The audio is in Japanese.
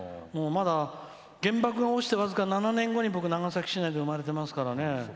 まだ原爆が落ちて僅か７年後に僕、長崎市内で生まれてますからね。